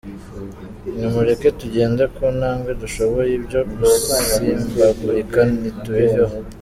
Nimureke tugende ku ntambwe dushoboye ibyo gusimbagulika tubiveho.